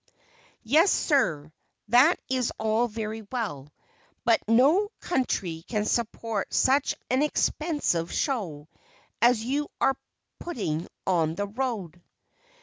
"Yes, sir, that is all very well, but no country can support such an expensive show as you are putting on the road."